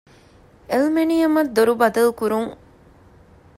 އެލްމެނިއަމަށް ދޮރު ބަދަލުކުރުން